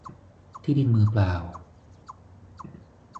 ที่ดินมือเปล่า